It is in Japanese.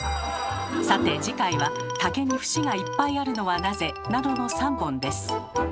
さて次回は「竹に節がいっぱいあるのはなぜ？」などの３本です。